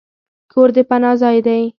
کور د پناه ځای دی.